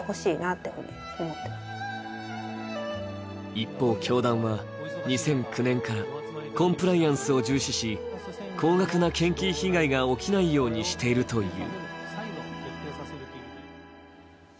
一方、教団は２００９年からコンプライアンスを重視し、高額な献金被害が起きないようにしているという。